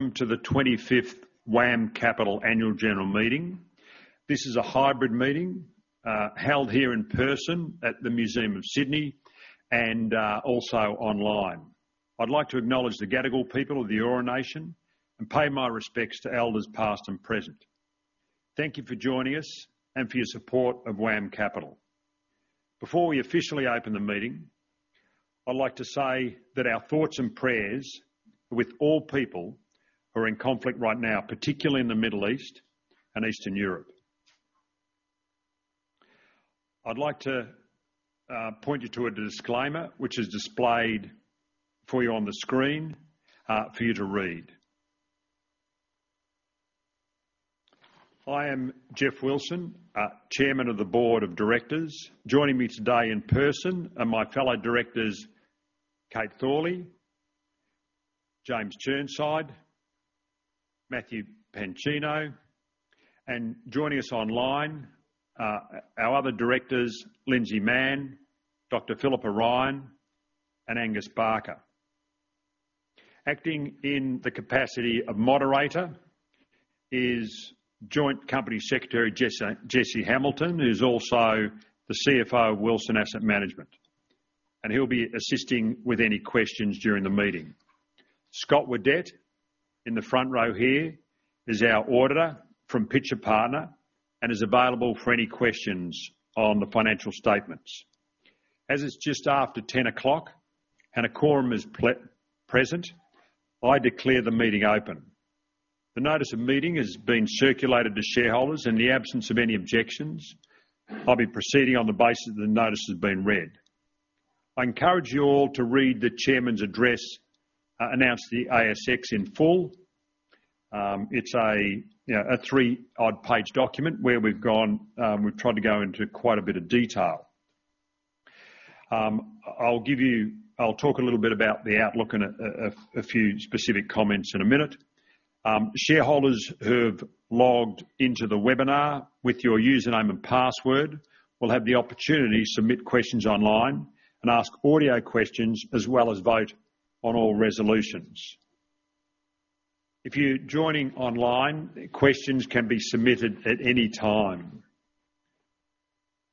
Welcome to the 25th WAM Capital annual general meeting. This is a hybrid meeting, held here in person at the Museum of Sydney and also online. I'd like to acknowledge the Gadigal people of the Eora Nation and pay my respects to elders past and present. Thank you for joining us and for your support of WAM Capital. Before we officially open the meeting, I'd like to say that our thoughts and prayers are with all people who are in conflict right now, particularly in the Middle East and Eastern Europe. I'd like to point you to a disclaimer which is displayed for you on the screen, for you to read. I am Geoff Wilson, Chairman of the Board of Directors. Joining me today in person are my fellow directors, Kate Thorley, James Chirnside, Matthew Pancino, and joining us online, our other directors, Lindsay Mann, Dr. Philippa Ryan, and Angus Barker. Acting in the capacity of moderator is Joint Company Secretary, Jesse Hamilton, who's also the CFO of Wilson Asset Management, and he'll be assisting with any questions during the meeting. Scott Waddell, in the front row here, is our auditor from Pitcher Partners and is available for any questions on the financial statements. As it's just after 10 o'clock and a quorum is present, I declare the meeting open. The notice of meeting has been circulated to shareholders. In the absence of any objections, I'll be proceeding on the basis that the notice has been read. I encourage you all to read the chairman's address, announced to the ASX in full. It's a, you know, a three-odd-page document where we've tried to go into quite a bit of detail. I'll talk a little bit about the outlook and a few specific comments in a minute. Shareholders who've logged into the webinar with your username and password will have the opportunity to submit questions online and ask audio questions, as well as vote on all resolutions. If you're joining online, questions can be submitted at any time.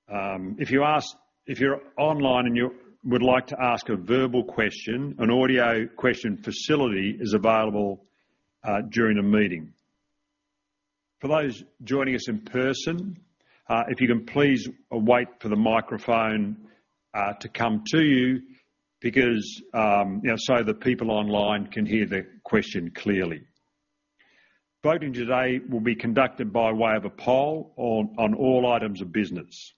If you're online and you would like to ask a verbal question, an audio question facility is available during the meeting. For those joining us in person, if you can please wait for the microphone to come to you because, you know, so the people online can hear the question clearly. Voting today will be conducted by way of a poll on all items of business.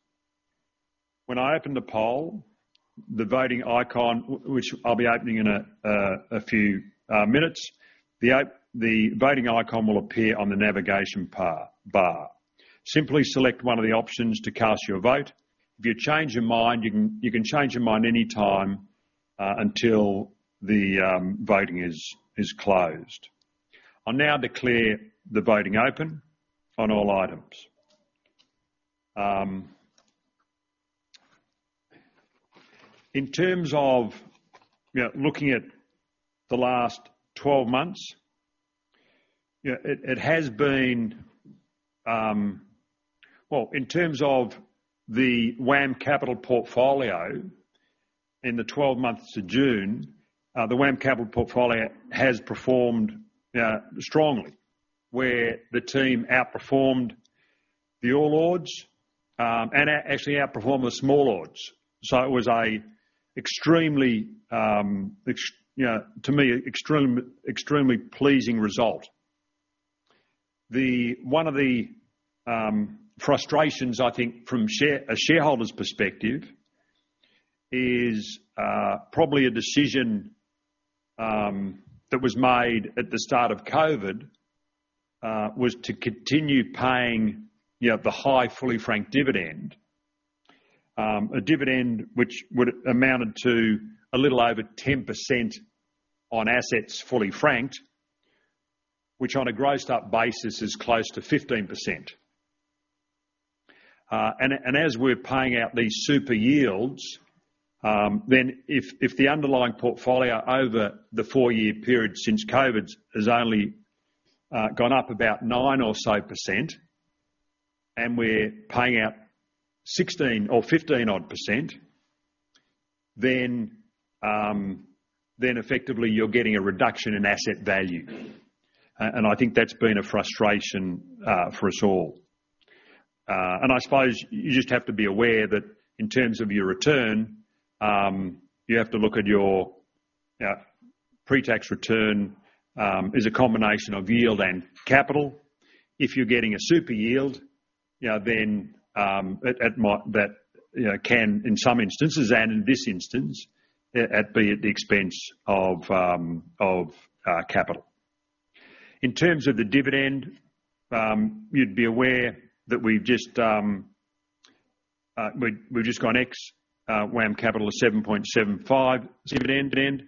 When I open the poll, the voting icon, which I'll be opening in a few minutes, the voting icon will appear on the navigation bar. Simply select one of the options to cast your vote. If you change your mind, you can change your mind anytime until the voting is closed. I now declare the voting open on all items. In terms of, you know, looking at the last 12 months, you know, it has been... Well, in terms of the WAM Capital portfolio in the 12 months to June, the WAM Capital portfolio has performed strongly, where the team outperformed the All Ords, and actually outperformed the Small Ords. So it was an extremely, you know, to me, extremely pleasing result. One of the frustrations, I think from a shareholder's perspective, is probably a decision that was made at the start of COVID was to continue paying, you know, the high, fully franked dividend. A dividend which would've amounted to a little over 10% on assets, fully franked, which on a grossed-up basis is close to 15%. As we're paying out these super yields, then if the underlying portfolio over the four-year period since COVID has only gone up about 9% or so, and we're paying out 16% or 15%-odd, then effectively, you're getting a reduction in asset value. I think that's been a frustration for us all. I suppose you just have to be aware that in terms of your return, you have to look at your pre-tax return as a combination of yield and capital. If you're getting a super yield, you know, then it might... That, you know, can, in some instances, and in this instance, be at the expense of capital. In terms of the dividend, you'd be aware that we've just, we've just gone ex, WAM Capital of 0.775 dividend,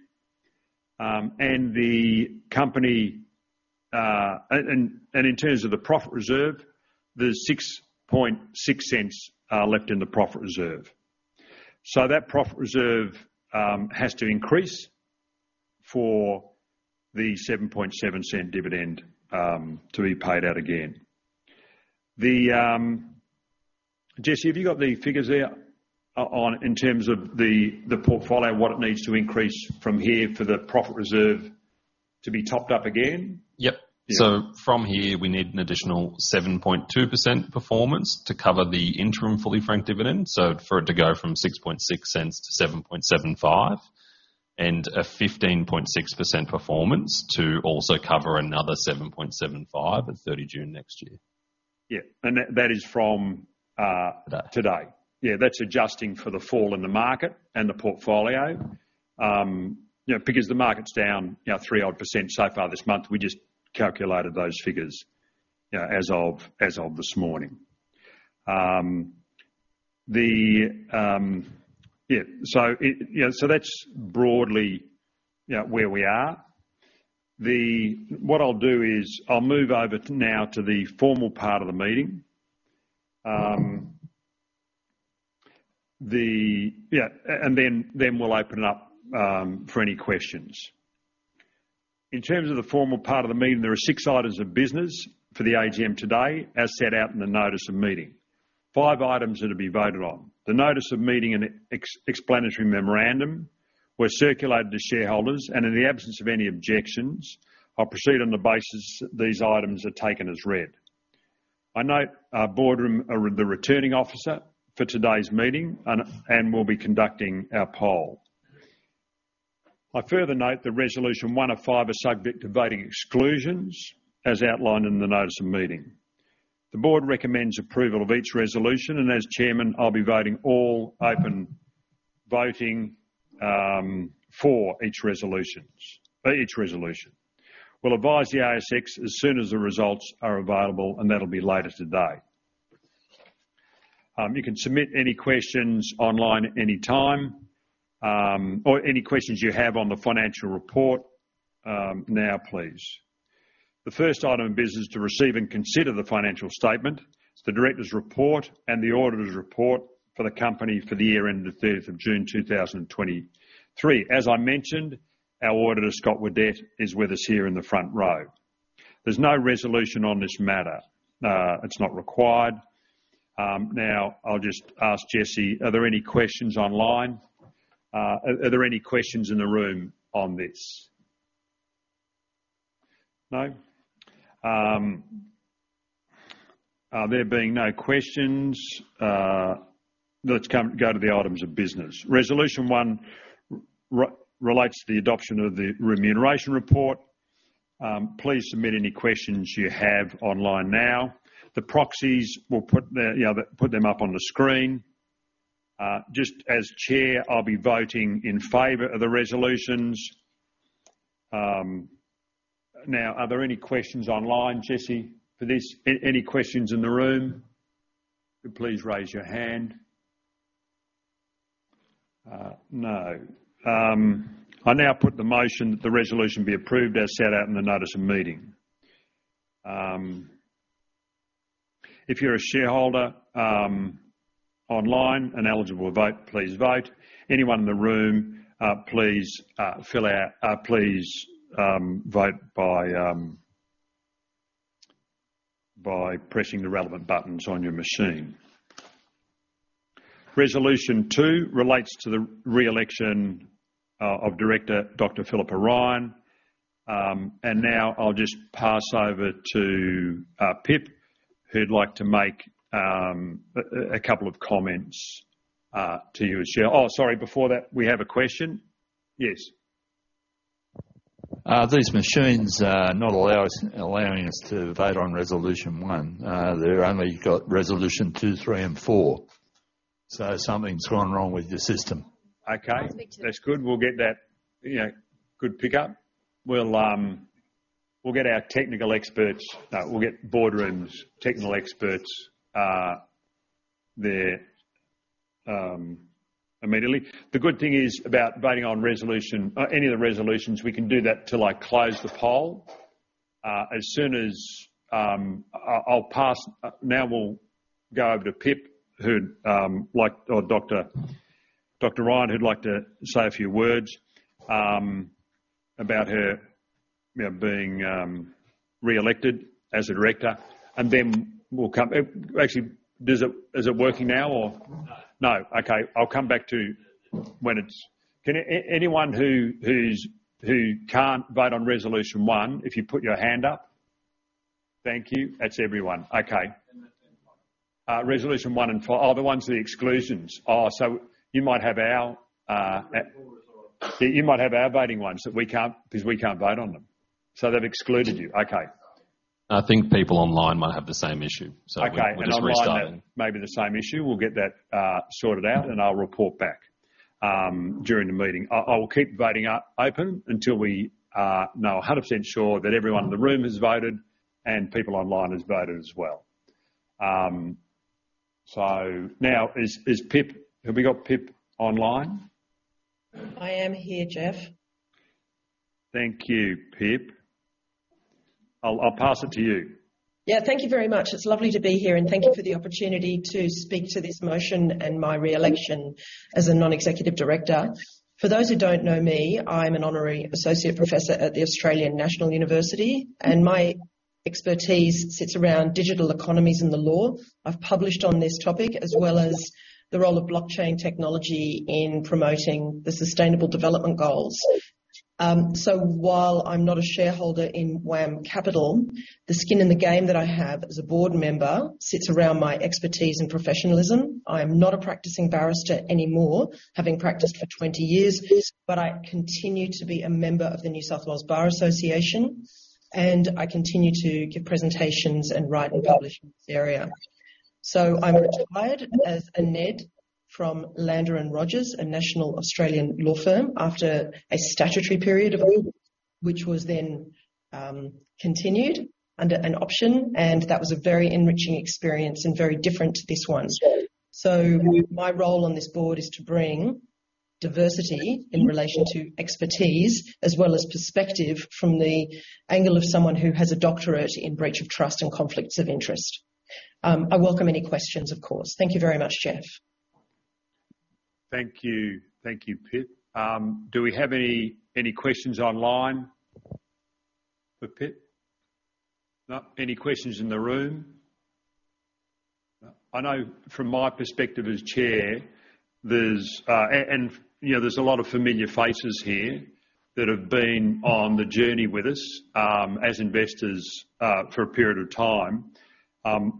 and the company, and in terms of the profit reserve, there's 0.66 left in the profit reserve. So that profit reserve has to increase for the 0.77 cent dividend to be paid out again. Jesse, have you got the figures out on, in terms of the portfolio, what it needs to increase from here for the Profit Reserve to be topped up again? Yep. Yeah. So from here, we need an additional 7.2% performance to cover the interim fully franked dividend, so for it to go from 0.066 -0.0775, and a 15.6% performance to also cover another 0.0775 at 30 June next year. Yeah, and that is from, Today... today. Yeah, that's adjusting for the fall in the market and the portfolio. You know, because the market's down, you know, 3% odd so far this month, we just calculated those figures, as of this morning. Yeah, so it, you know, so that's broadly, you know, where we are. What I'll do is I'll move over now to the formal part of the meeting. Yeah, and then we'll open it up for any questions. In terms of the formal part of the meeting, there are six items of business for the AGM today, as set out in the notice of meeting. Five items are to be voted on. The notice of meeting and explanatory memorandum were circulated to shareholders, and in the absence of any objections, I'll proceed on the basis these items are taken as read. I note Boardroom, the returning officer for today's meeting, and will be conducting our poll. I further note that resolution one of five are subject to voting exclusions, as outlined in the notice of meeting. The board recommends approval of each resolution, and as Chairman, I'll be voting all open voting for each resolutions, each resolution. We'll advise the ASX as soon as the results are available, and that'll be later today. You can submit any questions online at any time, or any questions you have on the financial report, now, please. The first item of business is to receive and consider the financial statement, the directors' report, and the auditors' report for the company for the year ended 30th of June, 2023. As I mentioned, our auditor, Scott Waddell, is with us here in the front row. There's no resolution on this matter. It's not required. Now, I'll just ask Jesse, are there any questions online? Are there any questions in the room on this? No. There being no questions, let's go to the items of business. Resolution one relates to the adoption of the remuneration report. Please submit any questions you have online now. The proxies, we'll put the, you know, the, put them up on the screen. Just as chair, I'll be voting in favor of the resolutions. Now, are there any questions online, Jesse, for this? Any questions in the room? Please raise your hand. No. I now put the motion that the resolution be approved as set out in the notice of meeting. If you're a shareholder online and eligible to vote, please vote. Anyone in the room, please, fill out, please, vote by, by pressing the relevant buttons on your machine. Resolution two relates to the re-election of Director Dr. Philippa Ryan. Now I'll just pass over to Pip, who'd like to make a couple of comments to you as chair. Oh, sorry, before that, we have a question. Yes? These machines are not allowing us to vote on resolution one. They've only got resolution two, three, and four. So something's gone wrong with your system. Okay. Me too. That's good. We'll get that, you know. Good pick up. We'll get our technical experts, we'll get Boardroom's technical experts there immediately. The good thing is, about voting on resolution, any of the resolutions, we can do that till I close the poll. As soon as I'll pass. Now we'll go over to Pip, who'd like, or Dr. Ryan, who'd like to say a few words about her, you know, being re-elected as a director, and then we'll come. Actually, does it, is it working now or- No. No. Okay. I'll come back to you when it's... Can anyone who can't vote on resolution one, if you put your hand up. Thank you. That's everyone. Okay. Resolution one and five. Oh, the ones with the exclusions. Oh, so you might have our, Four as well. You might have our voting ones, that we can't because we can't vote on them. So they've excluded you. Okay. I think people online might have the same issue, so- Okay. We're just restarting. Maybe the same issue. We'll get that sorted out, and I'll report back during the meeting. I will keep the voting open until we are now 100% sure that everyone in the room has voted and people online has voted as well. So now, Pip... Have we got Pip online? I am here, Geoff. Thank you, Pip. I'll pass it to you. Yeah, thank you very much. It's lovely to be here, and thank you for the opportunity to speak to this motion and my re-election as a non-executive director. For those who don't know me, I'm an Honorary Associate Professor at the Australian National University, and my expertise sits around digital economies and the law. I've published on this topic, as well as the role of blockchain technology in promoting the sustainable development goals. So while I'm not a shareholder in WAM Capital, the skin in the game that I have as a board member sits around my expertise and professionalism. I am not a practicing barrister anymore, having practiced for 20 years, but I continue to be a member of the New South Wales Bar Association, and I continue to give presentations and write and publish in this area. So I retired as a NED from Lander & Rogers, a national Australian law firm, after a statutory period of it, which was then, continued under an option, and that was a very enriching experience and very different to this one. So my role on this board is to bring diversity in relation to expertise, as well as perspective from the angle of someone who has a doctorate in breach of trust and conflicts of interest. I welcome any questions, of course. Thank you very much, Geoff. Thank you. Thank you, Pip. Do we have any, any questions online for Pip? No. Any questions in the room? No. I know from my perspective as chair, there's, and, you know, there's a lot of familiar faces here that have been on the journey with us, as investors, for a period of time.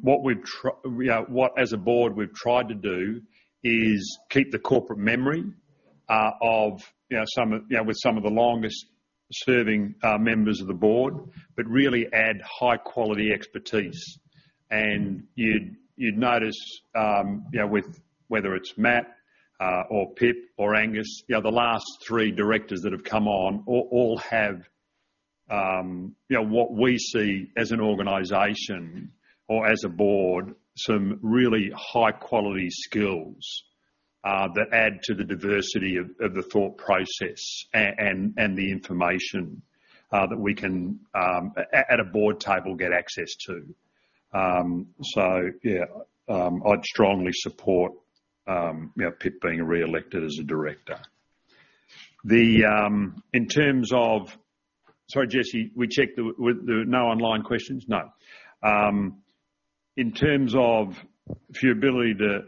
What we've you know, what as a board we've tried to do is keep the corporate memory, of, you know, some of, you know, with some of the longest serving, members of the board, but really add high-quality expertise. You'd notice, you know, with whether it's Matt or Pip or Angus, you know, the last three directors that have come on all have, you know, what we see as an organization or as a board, some really high-quality skills that add to the diversity of the thought process and the information that we can at a board table get access to. So yeah, I'd strongly support, you know, Pip being re-elected as a director. Sorry, Jesse, we checked. No online questions? No. In terms of the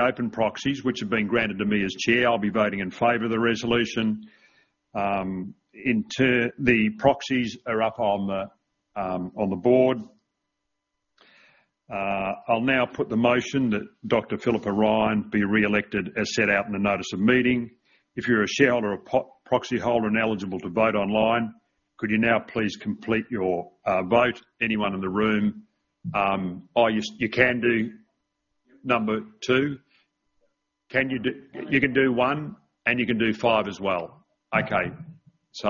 open proxies, which have been granted to me as Chair, I'll be voting in favor of the resolution. The proxies are up on the board. I'll now put the motion that Dr. Philippa Ryan be re-elected as set out in the notice of meeting. If you're a shareholder or proxyholder and eligible to vote online, could you now please complete your vote? Anyone in the room, you can do number two? Can you do one, and you can do five as well. Okay. So,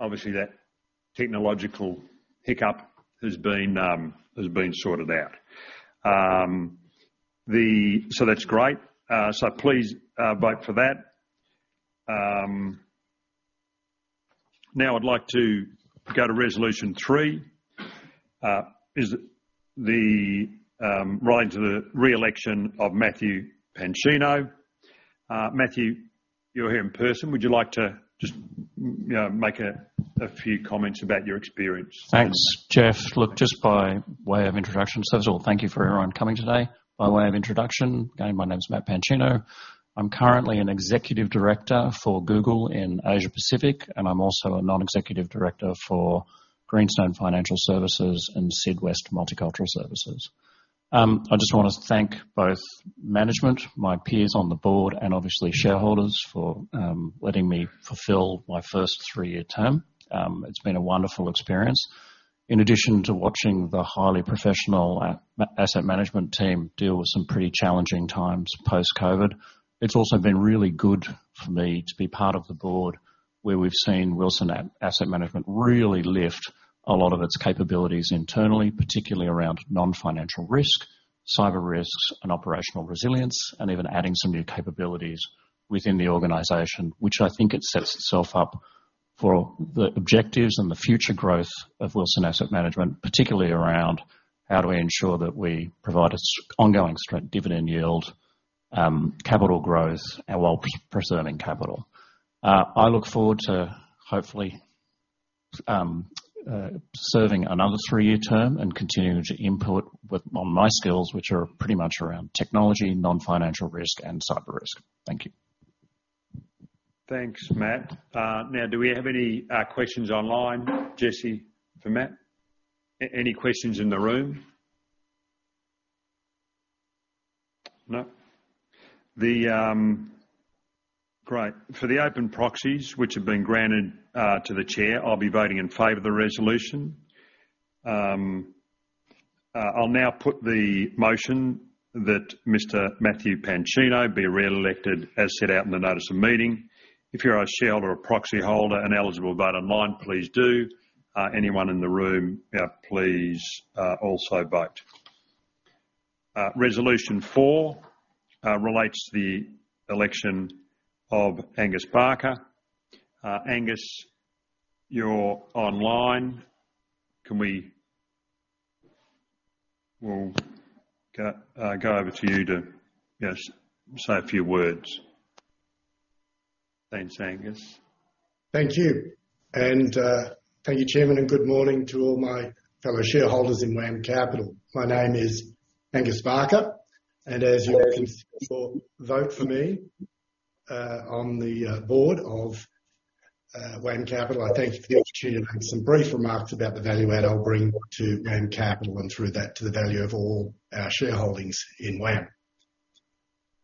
obviously, that technological hiccup has been sorted out. So that's great. So please vote for that. Now I'd like to go to resolution three, is the relating to the re-election of Matthew Pancino. Matthew, you're here in person. Would you like to just, you know, make a few comments about your experience? Thanks, Geoff. Look, just by way of introduction, first of all, thank you for everyone coming today. By way of introduction, again, my name is Matt Pancino. I'm currently an executive director for Google in Asia Pacific, and I'm also a non-executive director for Greenstone Financial Services and SydWest Multicultural Services. I just want to thank both management, my peers on the board, and obviously, shareholders for letting me fulfill my first three-year term. It's been a wonderful experience. In addition to watching the highly professional, WAM asset management team deal with some pretty challenging times post-COVID, it's also been really good for me to be part of the board, where we've seen Wilson Asset Management really lift a lot of its capabilities internally, particularly around non-financial risk, cyber risks, and operational resilience, and even adding some new capabilities within the organization. Which I think it sets itself up for the objectives and the future growth of Wilson Asset Management, particularly around: How do we ensure that we provide a strong ongoing strong dividend yield, capital growth, while preserving capital? I look forward to, hopefully, serving another three-year term and continuing to input with on my skills, which are pretty much around technology, non-financial risk, and cyber risk. Thank you. Thanks, Matt. Now, do we have any questions online, Jesse, for Matt? Any questions in the room? No. Great. For the open proxies, which have been granted to the chair, I'll be voting in favor of the resolution. I'll now put the motion that Mr. Matthew Pancino be re-elected as set out in the notice of meeting. If you're a shareholder or proxyholder and eligible to vote online, please do. Anyone in the room, please also vote. Resolution four relates to the election of Angus Barker. Angus, you're online. We'll go over to you to say a few words. Thanks, Angus. Thank you. Thank you, Chairman, and good morning to all my fellow shareholders in WAM Capital. My name is Angus Barker, and as you consider for vote for me on the board of WAM Capital, I thank you for the opportunity to make some brief remarks about the value add I'll bring to WAM Capital, and through that, to the value of all our shareholdings in WAM.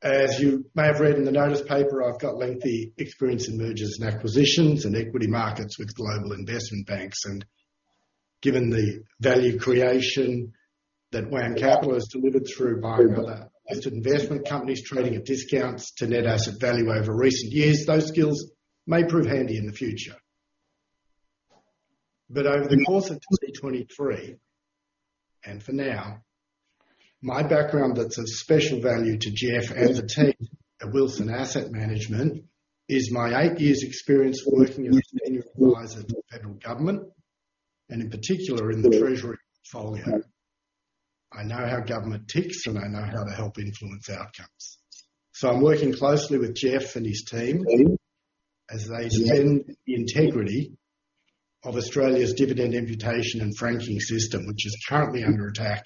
As you may have read in the notice paper, I've got lengthy experience in mergers and acquisitions and equity markets with global investment banks, and given the value creation that WAM Capital has delivered through buying other listed investment companies, trading at discounts to net asset value over recent years, those skills may prove handy in the future. But over the course of 2023, and for now, my background that's of special value to Geoff and the team at Wilson Asset Management, is my eight years' experience working as a senior advisor to the Federal Government, and in particular, in the Treasury portfolio. I know how government ticks, and I know how to help influence outcomes. So I'm working closely with Geoff and his team as they defend the integrity of Australia's dividend imputation and franking system, which is currently under attack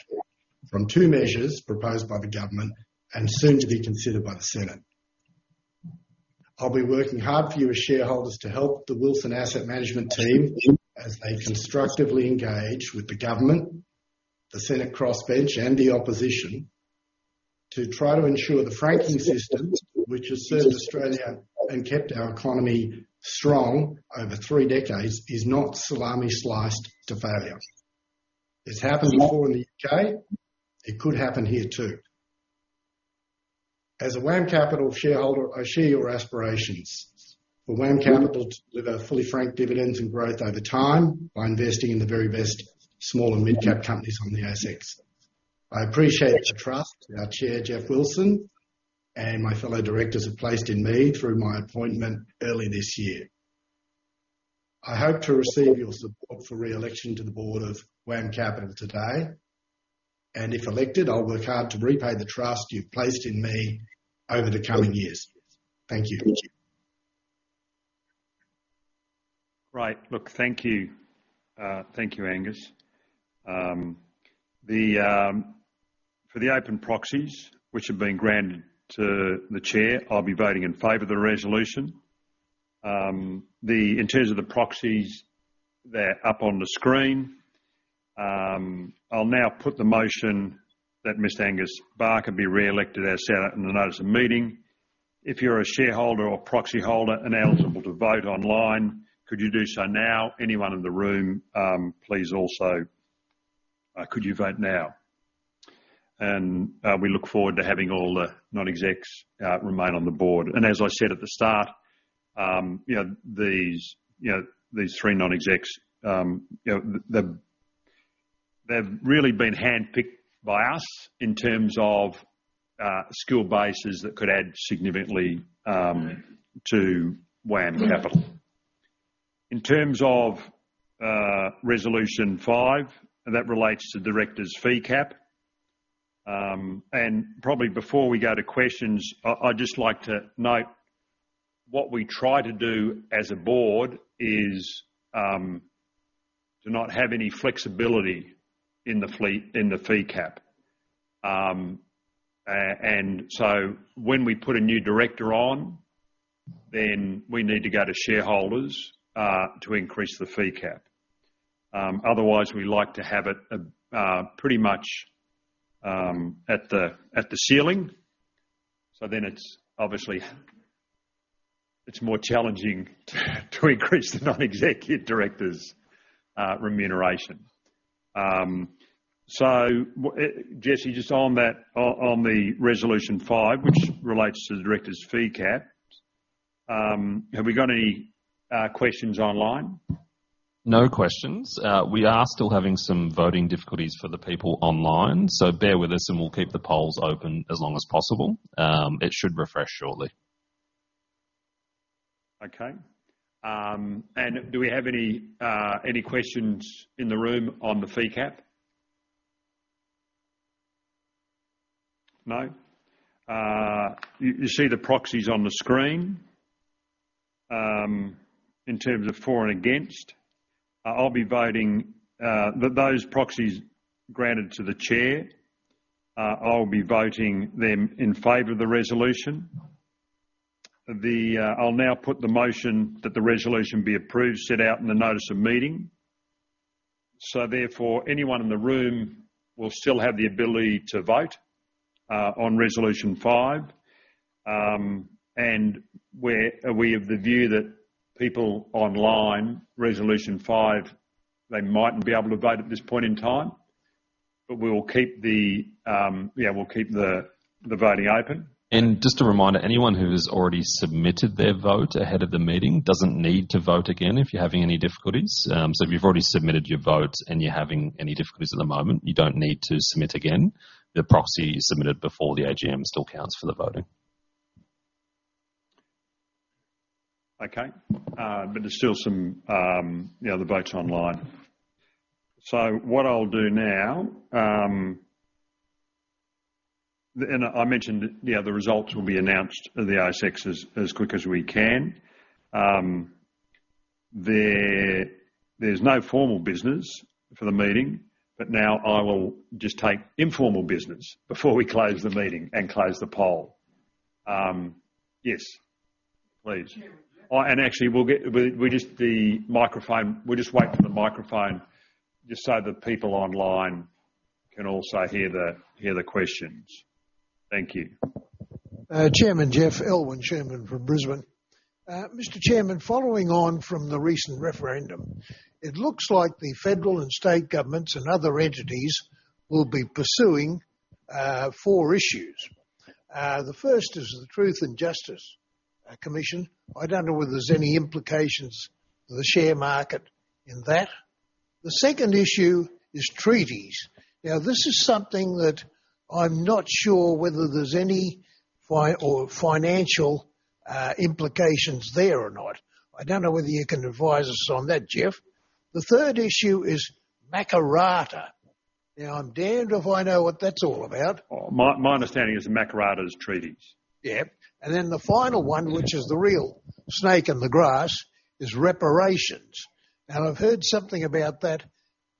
from two measures proposed by the government and soon to be considered by the Senate. I'll be working hard for you as shareholders to help the Wilson Asset Management team as they constructively engage with the government, the Senate crossbench, and the Opposition, to try to ensure the franking system, which has served Australia and kept our economy strong over three decades, is not salami-sliced to failure. It's happened before in the U.K. It could happen here, too. As a WAM Capital shareholder, I share your aspirations for WAM Capital to deliver fully franked dividends and growth over time by investing in the very best small and mid-cap companies on the ASX. I appreciate the trust our Chair, Geoff Wilson, and my fellow directors have placed in me through my appointment early this year. I hope to receive your support for re-election to the board of WAM Capital today, and if elected, I'll work hard to repay the trust you've placed in me over the coming years. Thank you. Right. Look, thank you. Thank you, Angus. For the open proxies, which have been granted to the chair, I'll be voting in favor of the resolution. In terms of the proxies, they're up on the screen. I'll now put the motion that Mr. Angus Barker be re-elected as set out in the notice of meeting. If you're a shareholder or proxyholder and eligible to vote online, could you do so now? Anyone in the room, please also, could you vote now? We look forward to having all the non-execs remain on the board. As I said at the start, you know, these, you know, these three non-execs, you know, them, they've really been handpicked by us in terms of, skill bases that could add significantly, to WAM Capital. In terms of resolution five, that relates to directors' fee cap, and probably before we go to questions, I'd just like to note what we try to do as a board is to not have any flexibility in the fee, in the fee cap. So when we put a new director on, then we need to go to shareholders to increase the fee cap. Otherwise, we like to have it pretty much at the ceiling, so then it's obviously more challenging to increase the non-executive directors' remuneration. So Jesse, just on that, on the resolution five, which relates to the directors' fee cap, have we got any questions online? No questions. We are still having some voting difficulties for the people online, so bear with us, and we'll keep the polls open as long as possible. It should refresh shortly. Okay. Do we have any questions in the room on the fee cap? No? You see the proxies on the screen, in terms of for and against. I'll be voting those proxies granted to the chair. I'll be voting them in favor of the resolution. I'll now put the motion that the resolution be approved, set out in the notice of meeting. So therefore, anyone in the room will still have the ability to vote on resolution five and we have the view that people online, resolution five, they mightn't be able to vote at this point in time, but we'll keep the voting open. Just a reminder, anyone who's already submitted their vote ahead of the meeting doesn't need to vote again if you're having any difficulties. If you've already submitted your vote and you're having any difficulties at the moment, you don't need to submit again. The proxy you submitted before the AGM still counts for the voting. Okay, but there's still some, you know, the votes online. So what I'll do now, and I mentioned, yeah, the results will be announced on the ASX as quick as we can. There's no formal business for the meeting, but now I will just take informal business before we close the meeting and close the poll. Yes, please. Chairman, Geoff. Oh, and actually, we'll just wait for the microphone, just so that people online can also hear the questions. Thank you. Chairman Geoff, Elwyn Sherman from Brisbane. Mr. Chairman, following on from the recent referendum, it looks like the federal and state governments and other entities will be pursuing four issues. The first is the Truth and Justice Commission. I don't know whether there's any implications for the share market in that. The second issue is treaties. Now, this is something that I'm not sure whether there's any or financial implications there or not. I don't know whether you can advise us on that, Geoff. The third issue is Makarrata. Now, I'm damned if I know what that's all about. Oh, my, my understanding is Makarrata is treaties. Yeah. Then the final one, which is the real snake in the grass, is reparations. Now, I've heard something about that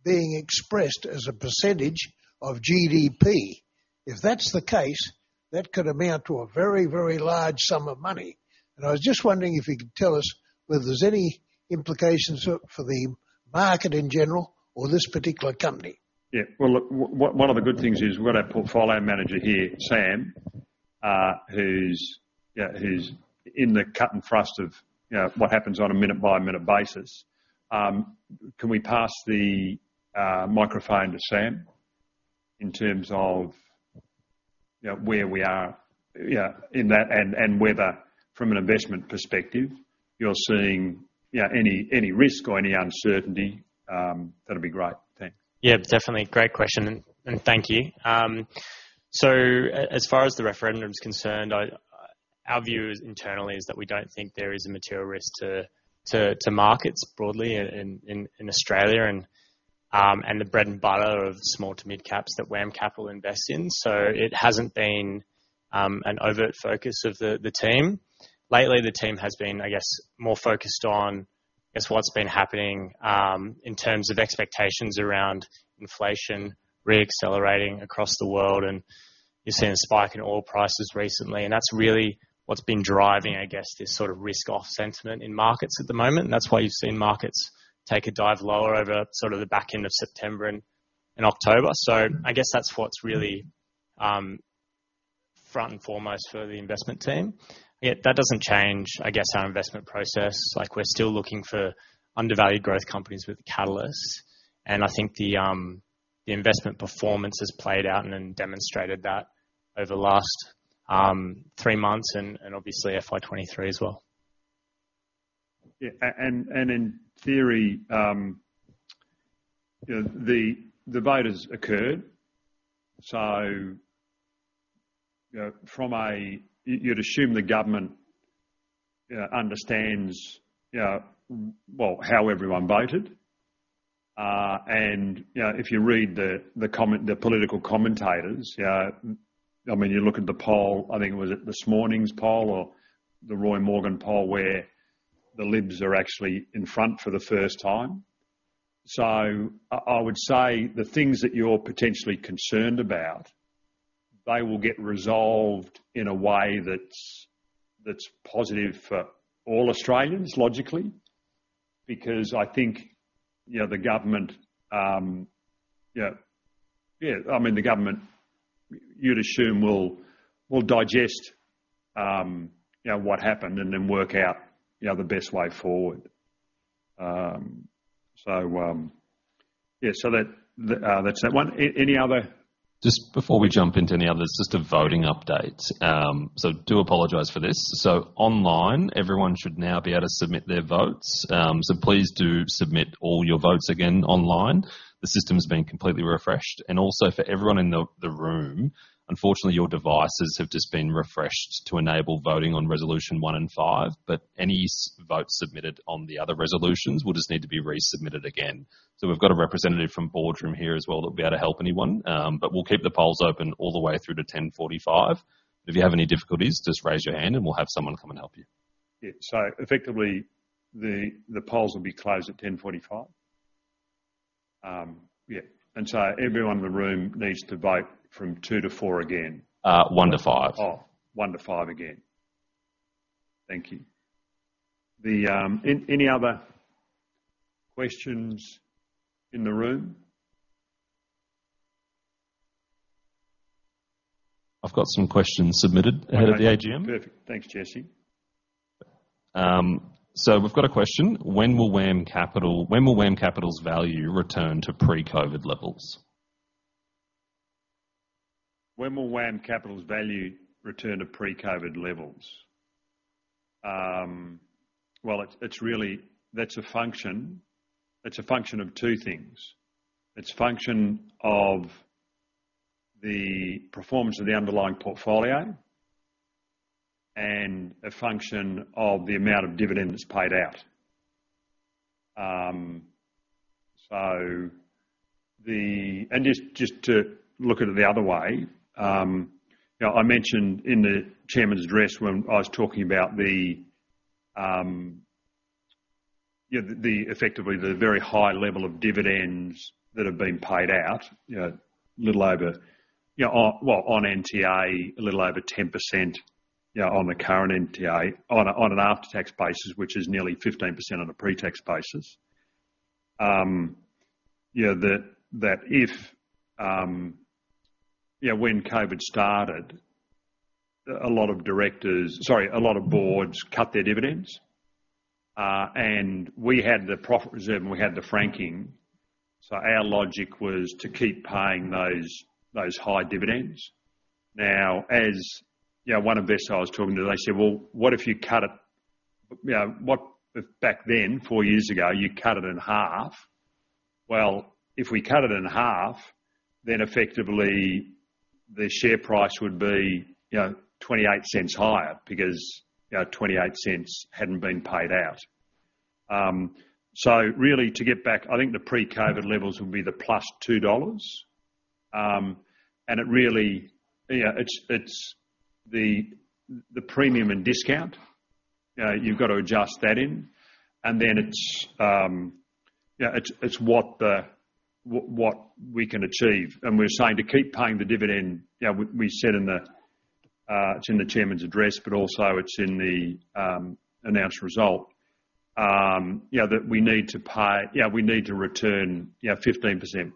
being expressed as a percentage of GDP. If that's the case, that could amount to a very, very large sum of money, and I was just wondering if you could tell us whether there's any implications for the market in general or this particular company? Yeah. Well, look, one of the good things is we've got our portfolio manager here, Sam, who's, yeah, who's in the cut and thrust of, you know, what happens on a minute-by-minute basis. Can we pass the microphone to Sam in terms of, you know, where we are, yeah, in that, and, and whether from an investment perspective, you're seeing, you know, any, any risk or any uncertainty? That'd be great. Thanks. Yeah, definitely. Great question, and thank you. So as far as the referendum is concerned, our view internally is that we don't think there is a material risk to markets broadly in Australia and the bread and butter of small to mid-caps that WAM Capital invest in, so it hasn't been an overt focus of the team. Lately, the team has been, I guess, more focused on, I guess, what's been happening in terms of expectations around inflation re-accelerating across the world, and you've seen a spike in oil prices recently, and that's really what's been driving, I guess, this sort of risk-off sentiment in markets at the moment. That's why you've seen markets take a dive lower over sort of the back end of September and October. I guess that's what's really front and foremost for the investment team. Yet that doesn't change, I guess, our investment process. Like, we're still looking for undervalued growth companies with catalysts, and I think the investment performance has played out and demonstrated that over the last three months and obviously FY 2023 as well. Yeah, and in theory, you know, the vote has occurred, so, you know, from a... You'd assume the government understands, yeah, well, how everyone voted and, you know, if you read the comments, the political commentators, I mean, you look at the poll, I think it was at this morning's poll or the Roy Morgan poll, where the Libs are actually in front for the first time. So I would say the things that you're potentially concerned about, they will get resolved in a way that's positive for all Australians, logically, because I think, you know, the government, yeah, yeah... I mean, the government, you'd assume, will digest, you know, what happened and then work out, you know, the best way forward. So, yeah, so that, the, that's that one. Any other- Just before we jump into any other, it's just a voting update. So do apologize for this. So online, everyone should now be able to submit their votes. So please do submit all your votes again online. The system has been completely refreshed, and also for everyone in the room, unfortunately, your devices have just been refreshed to enable voting on resolution one and five, but any votes submitted on the other resolutions will just need to be resubmitted again. So we've got a representative from Boardroom here as well that'll be able to help anyone, but we'll keep the polls open all the way through to 10:45. If you have any difficulties, just raise your hand and we'll have someone come and help you. Yeah. So effectively, the polls will be closed at 10:45? Yeah, and so everyone in the room needs to vote from two to four again. One to five. Oh, one-five again. Thank you. Any other questions in the room? I've got some questions submitted- All right... ahead of the AGM. Perfect. Thanks, Jesse. So we've got a question: When will WAM Capital's value return to pre-COVID levels? When will WAM Capital's value return to pre-COVID levels? Well, it's really a function of two things. It's a function of the performance of the underlying portfolio and a function of the amount of dividend that's paid out. Just to look at it the other way, you know, I mentioned in the chairman's address when I was talking about the effectively very high level of dividends that have been paid out, you know, a little over, well, on NTA, a little over 10%, on the current NTA, on an after-tax basis, which is nearly 15% on a pre-tax basis. Yeah, when COVID started, a lot of directors, sorry, a lot of boards cut their dividends, and we had the profit reserve, and we had the franking, so our logic was to keep paying those high dividends. Now, as you know, one investor I was talking to, they said, "Well, what if you cut it? You know, what if back then, four years ago, you cut it in half?" Well, if we cut it in half, then effectively the share price would be, you know, 0.28 higher because, you know, 0.28 hadn't been paid out. So really, to get back, I think the pre-COVID levels would be the +AUD 2. Yeah, it's the premium and discount. You've got to adjust that in, and then it's what we can achieve. We're saying to keep paying the dividend. We said in the chairman's address, but also it's in the announced result, that we need to pay. We need to return 15%+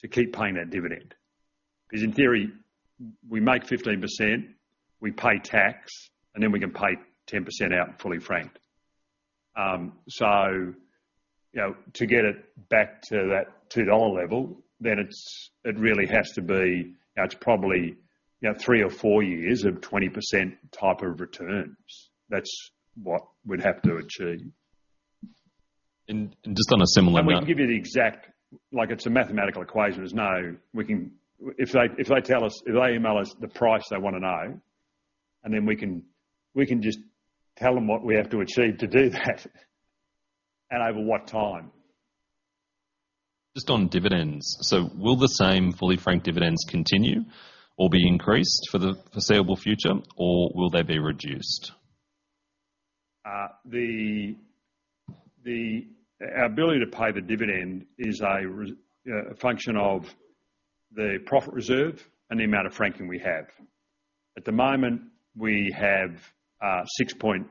to keep paying that dividend, because in theory, we make 15%, we pay tax, and then we can pay 10% out fully franked. So, you know, to get it back to that 2 dollar level, then it's, it really has to be, you know, it's probably, you know, three or four years of 20% type of returns. That's what we'd have to achieve. Just on a similar note- We can give you the exact... Like, it's a mathematical equation, there's no... We can... If they tell us, if they email us the price they wanna know, and then we can, we can just tell them what we have to achieve to do that and over what time. Just on dividends: so will the same fully franked dividends continue or be increased for the foreseeable future, or will they be reduced? Our ability to pay the dividend is a function of the profit reserve and the amount of franking we have. At the moment, we have 0.066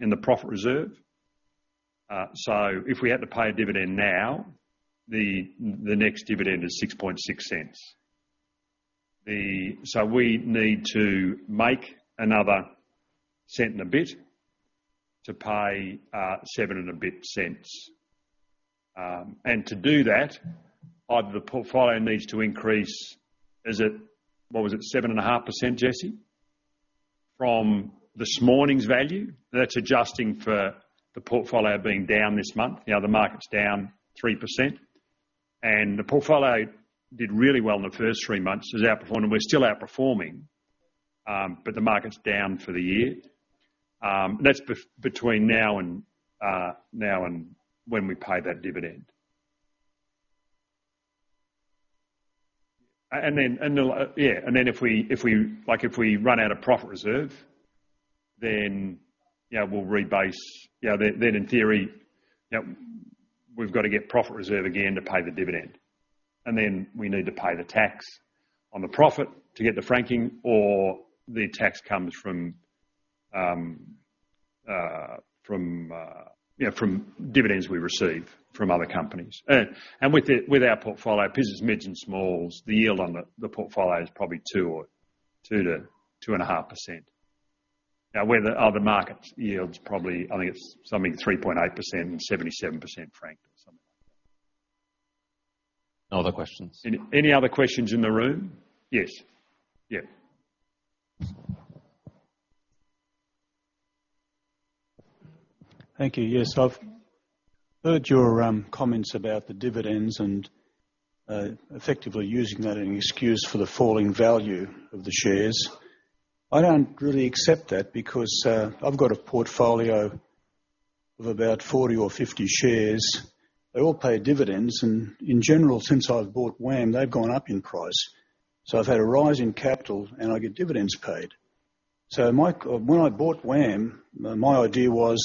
in the profit reserve. So if we had to pay a dividend now, the next dividend is 0.066. So we need to make another cent and a bit to pay 0.07 and a bit. To do that, either the portfolio needs to increase, is it, what was it? 7.5%, Jesse, from this morning's value. That's adjusting for the portfolio being down this month. You know, the market's down 3%, and the portfolio did really well in the first three months. It was outperforming, we're still outperforming, but the market's down for the year. That's between now and now and when we pay that dividend. Then, yeah, and then if we, if we, like, if we run out of profit reserve, then, you know, we'll rebase. Yeah, then, then in theory, yeah, we've got to get profit reserve again to pay the dividend, and then we need to pay the tax on the profit to get the franking, or the tax comes from, yeah, from dividends we receive from other companies. With our portfolio, because it's mids and smalls, the yield on the, the portfolio is probably 2%-2.5%. Now, where the other market yields, probably, I think it's something 3.8% and 77% franked or something like that. No other questions. Any other questions in the room? Yes. Yeah. Thank you. Yes, I've heard your comments about the dividends and effectively using that as an excuse for the falling value of the shares. I don't really accept that because I've got a portfolio of about 40 or 50 shares. They all pay dividends, and in general, since I've bought WAM, they've gone up in price. So I've had a rise in capital, and I get dividends paid. So when I bought WAM, my idea was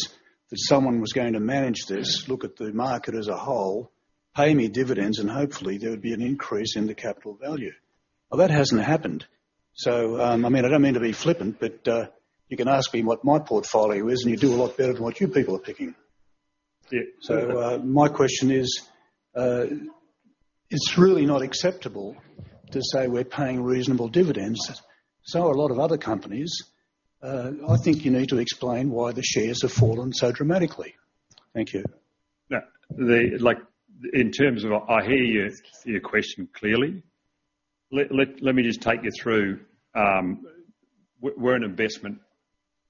that someone was going to manage this, look at the market as a whole, pay me dividends, and hopefully, there would be an increase in the capital value. Well, that hasn't happened. So, I mean, I don't mean to be flippant, but you can ask me what my portfolio is, and you'll do a lot better than what you people are picking. Yeah. My question is, it's really not acceptable to say we're paying reasonable dividends. So are a lot of other companies. I think you need to explain why the shares have fallen so dramatically. Thank you. Yeah, like, I hear your question clearly. Let me just take you through. We're an investment company.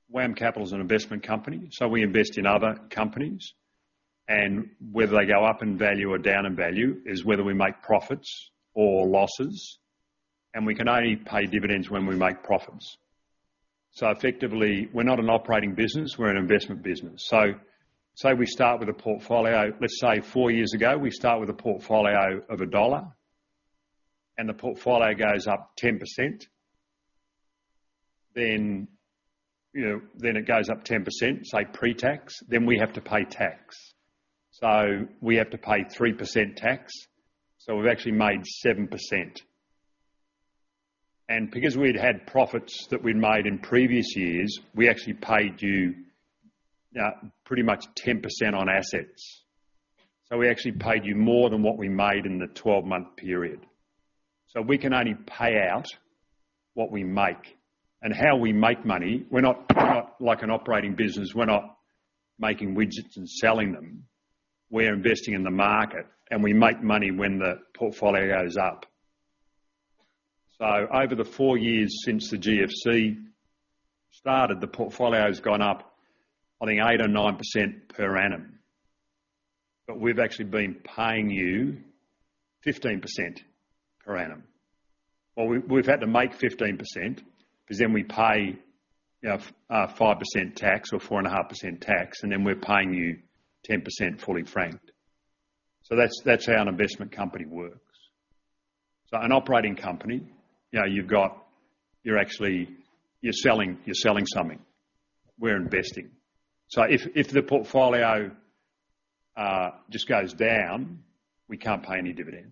WAM Capital is an investment company, so we invest in other companies, and whether they go up in value or down in value is whether we make profits or losses, and we can only pay dividends when we make profits. So effectively, we're not an operating business, we're an investment business. So say we start with a portfolio, let's say four years ago, we start with a portfolio of AUD 1, and the portfolio goes up 10%. Then, you know, then it goes up 10%, say, pre-tax, then we have to pay tax. So we have to pay 3% tax, so we've actually made 7% and because we'd had profits that we'd made in previous years, we actually paid you pretty much 10% on assets. So we actually paid you more than what we made in the 12-month period. So we can only pay out what we make, and how we make money, we're not like an operating business, we're not making widgets and selling them. We're investing in the market, and we make money when the portfolio goes up. So over the four years since the GFC started, the portfolio has gone up, I think, 8% or 9% per annum, but we've actually been paying you 15% per annum. Well, we've had to make 15%, because then we pay, you know, 5% tax or 4.5% tax, and then we're paying you 10% fully franked. So that's how an investment company works. So an operating company, you know, you've got... You're actually, you're selling, you're selling something. We're investing. So if the portfolio just goes down, we can't pay any dividend.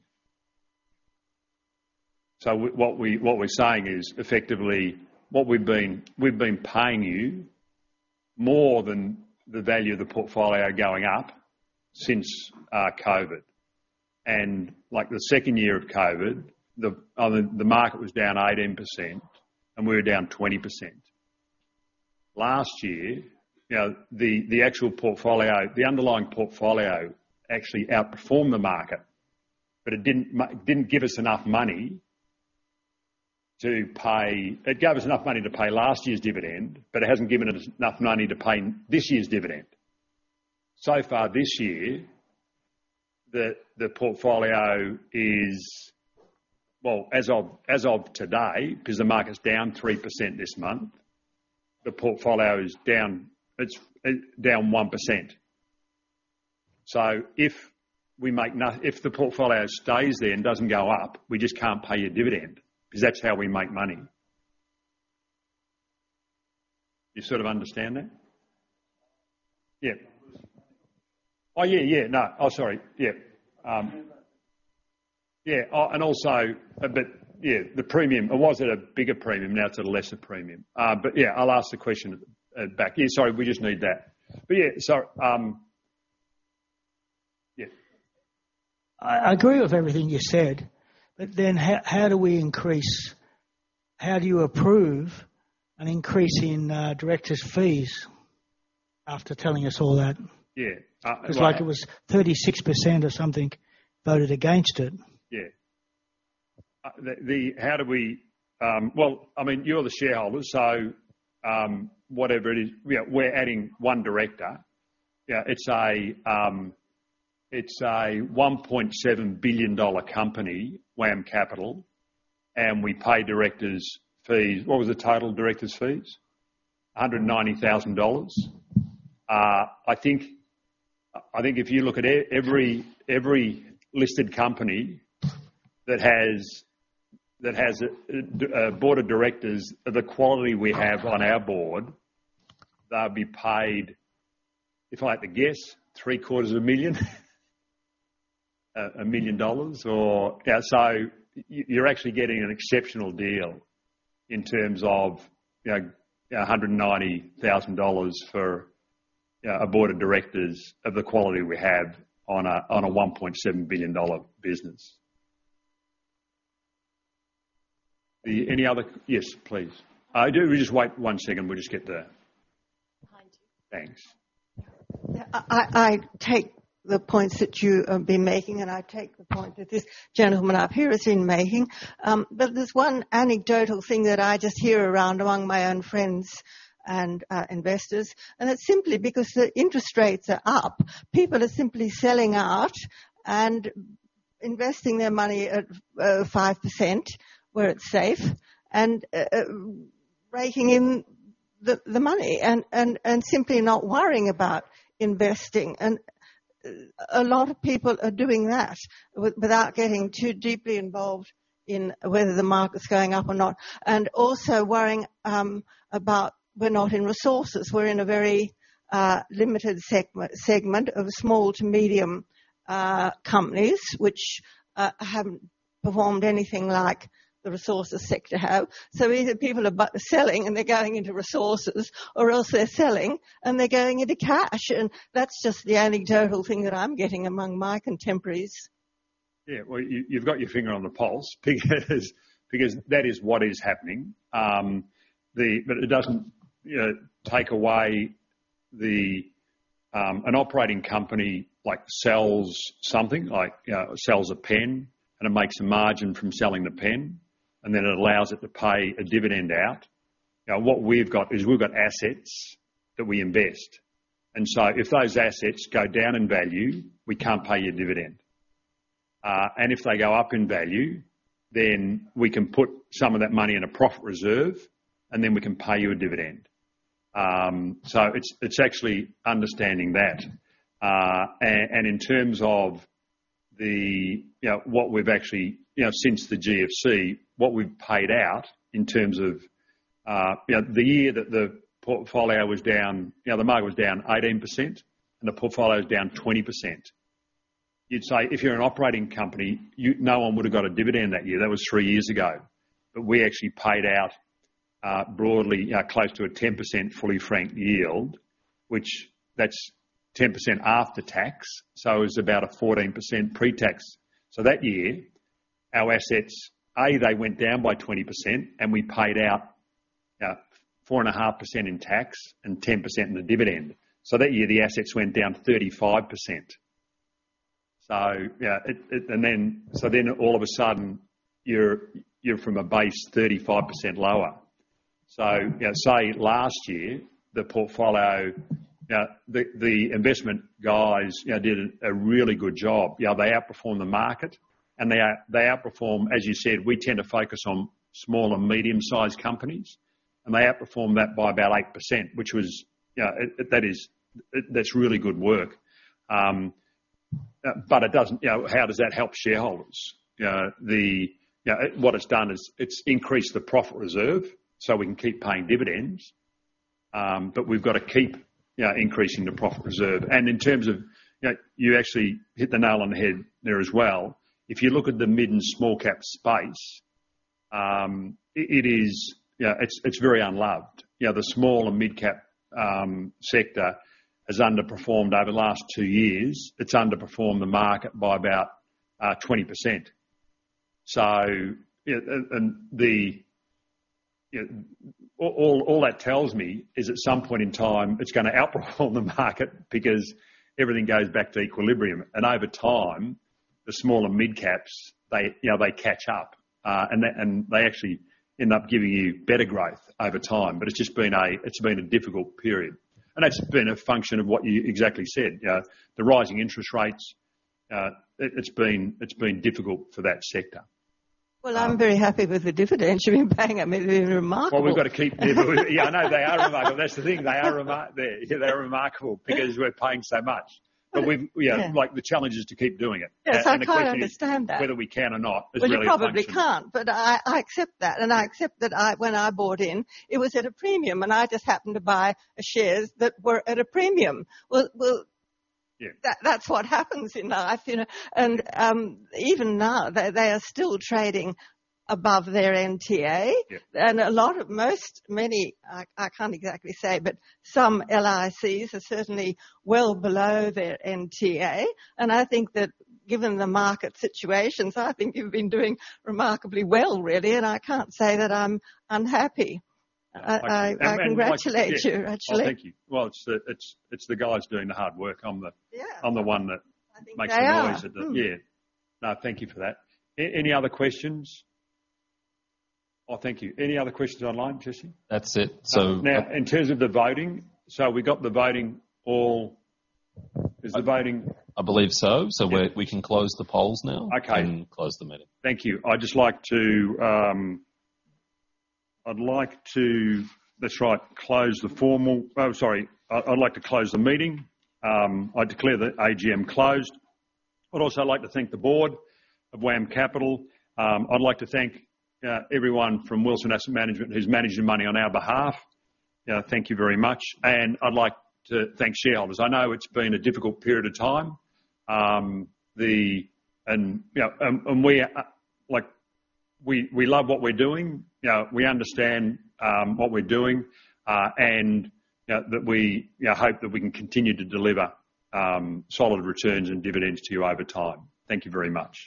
So what we're saying is, effectively, what we've been paying you more than the value of the portfolio going up since COVID and like, the second year of COVID, the market was down 18%, and we were down 20%. Last year, you know, the actual portfolio, the underlying portfolio actually outperformed the market, but it didn't give us enough money to pay... It gave us enough money to pay last year's dividend, but it hasn't given us enough money to pay this year's dividend. So far this year, the portfolio is... Well, as of today, because the market's down 3% this month, the portfolio is down. It's down 1%. So if the portfolio stays there and doesn't go up, we just can't pay a dividend, because that's how we make money. You sort of understand that? Yeah. Oh, yeah, yeah. No. Oh, sorry. Yeah. Yeah, and also, but yeah, the premium. It was at a bigger premium. Now it's at a lesser premium. But yeah, I'll ask the question back. Yeah, sorry, we just need that. But yeah, sorry, yeah. I agree with everything you said, but then how do we increase... How do you approve an increase in directors' fees after telling us all that? Yeah, well- 'Cause like it was 36% or something voted against it. Yeah. Well, I mean, you're the shareholder, so whatever it is, you know, we're adding one director. Yeah, it's a 1.7 billion dollar company, WAM Capital, and we pay directors' fees. What was the total directors' fees? 190,000 dollars. I think if you look at every listed company that has a board of directors of the quality we have on our board, they'll be paid, if I had to guess, 750,000, million dollars. Yeah, so you're actually getting an exceptional deal in terms of, you know, 190,000 dollars for a board of directors of the quality we have on a 1.7 billion dollar business. Any other. Yes, please. Just wait one second, we'll just get the- Behind you. Thanks. Yeah, I take the points that you have been making, and I take the point that this gentleman up here has been making, but there's one anecdotal thing that I just hear around among my own friends and investors, and it's simply because the interest rates are up. People are simply selling out and investing their money at 5%, where it's safe, and raking in the money and simply not worrying about investing. A lot of people are doing that, without getting too deeply involved in whether the market's going up or not, and also worrying about we're not in resources. We're in a very limited segment of small to medium companies, which haven't performed anything like the resources sector have. So either people are buying or selling, and they're going into resources, or else they're selling, and they're going into cash and that's just the anecdotal thing that I'm getting among my contemporaries. Yeah, well, you've got your finger on the pulse, because that is what is happening but it doesn't, you know, take away, an operating company like sells something, like, you know, sells a pen, and it makes a margin from selling the pen, and then it allows it to pay a dividend out. Now, what we've got is we've got assets that we invest, and so if those assets go down in value, we can't pay you a dividend, and if they go up in value, then we can put some of that money in a Profit Reserve, and then we can pay you a dividend. So it's actually understanding that. In terms of the, you know, what we've actually... You know, since the GFC, what we've paid out in terms of, you know, the year that the portfolio was down, you know, the market was down 18%, and the portfolio was down 20%. You'd say, if you're an operating company, you no one would have got a dividend that year. That was three years ago. But we actually paid out, broadly, close to a 10% fully franked yield, which that's 10% after tax, so it was about a 14% pre-tax. So that year, our assets, they went down by 20%, and we paid out, 4.5% in tax and 10% in the dividend. So that year, the assets went down 35%. So yeah. So then all of a sudden, you're from a base 35% lower. So, you know, say last year, the portfolio, the investment guys, you know, did a really good job. You know, they outperformed the market, and they outperformed. As you said, we tend to focus on small and medium-sized companies, and they outperformed that by about 8%, which was, you know, that's really good work. But it doesn't. You know, how does that help shareholders? You know, what it's done is it's increased the profit reserve so we can keep paying dividends, but we've got to keep, you know, increasing the profit reserve. In terms of, you know, you actually hit the nail on the head there as well. If you look at the mid and small cap space, it is, you know, it's very unloved. You know, the small and mid-cap sector has underperformed over the last two years. It's underperformed the market by about 20%. So, yeah, and the, you know... All that tells me is at some point in time, it's gonna outperform the market because everything goes back to equilibrium, and over time, the small and mid caps, they, you know, they catch up, and they actually end up giving you better growth over time. But it's just been a difficult period, and it's been a function of what you exactly said. The rising interest rates, it's been difficult for that sector. Well, I'm very happy with the dividends you've been paying me. They're remarkable. Well, we've got to keep... Yeah, I know, they are remarkable. That's the thing, they are remarkable because we're paying so much. But we've- Yeah. Yeah, like, the challenge is to keep doing it. Yes, I quite understand that. Whether we can or not is really- Well, you probably can't, but I accept that, and I accept that when I bought in, it was at a premium, and I just happened to buy shares that were at a premium. Well, well- Yeah. that's what happens in life, you know? Even now, they are still trading above their NTA. Yeah. A lot of... Many, I can't exactly say, but some LICs are certainly well below their NTA, and I think that given the market situations, I think you've been doing remarkably well, really, and I can't say that I'm unhappy. Yeah. I congratulate you, actually. Oh, thank you. Well, it's the guys doing the hard work. I'm the- Yeah. I'm the one that- I think they are. Yeah. No, thank you for that. Any other questions? Well, thank you. Any other questions online, Jesse? That's it. Now, in terms of the voting, so we got the voting all... Is the voting- I believe so. Yeah. So we can close the polls now. Okay. Close the meeting. Thank you. I'd just like to close the meeting. I declare the AGM closed. I'd also like to thank the board of WAM Capital. I'd like to thank everyone from Wilson Asset Management who's managing money on our behalf. You know, thank you very much. I'd like to thank shareholders. I know it's been a difficult period of time, and we are, like, we love what we're doing, you know, we understand what we're doing, and, you know, hope that we can continue to deliver solid returns and dividends to you over time. Thank you very much.